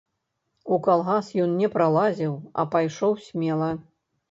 У калгас ён не пралазіў, а пайшоў смела.